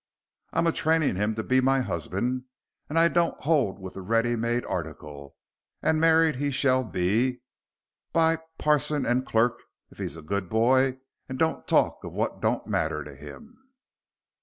I'm a training him to be my husband, as I don't hold with the ready made article, and married he shall be, by parsing and clark if he's a good boy and don't talk of what don't matter to him."